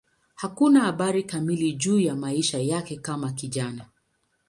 Hakuna habari kamili juu ya maisha yake kama kijana.